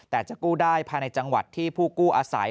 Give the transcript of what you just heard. แต่จะกู้ได้ภายในจังหวัดที่ผู้กู้อาศัย